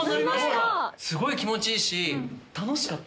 すごい気持ちいいし楽しかった。